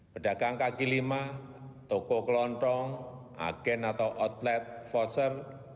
pedagang kaki lima toko kelontong agen atau outlet fouser